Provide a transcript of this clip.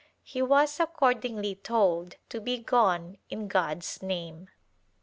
He was accord ingly told to be gone in God's name.